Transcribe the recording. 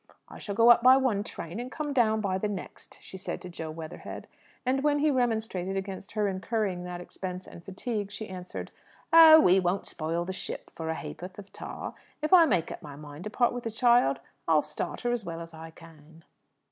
"I shall go up by one train, and come down by the next," said she to Jo Weatherhead. And when he remonstrated against her incurring that expense and fatigue, she answered, "Oh, we won't spoil the ship for a ha'porth of tar. If I make up my mind to part with the child, I'll start her as well as I can."